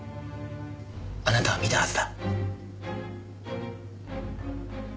あなたは見たはずだ。